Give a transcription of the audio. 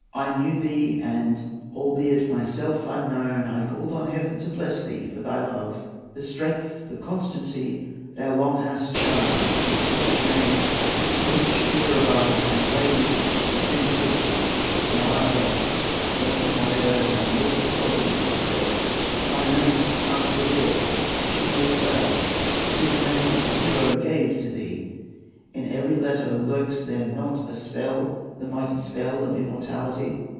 "I knew thee, and, albeit, myself unknown, I called on Heaven to bless thee for thy love, The strength, the constancy thou long hast shown, Each selfish aim, each womanish fear above: And, lady, Heaven is with thee; thou art blest, Blest in whatever thy immortal soul loves best. "Thy name, ask Brazil, for she knows it well; It is a name a hero gave to thee; In every letter lurks there not a spell,— The mighty spell of immortality?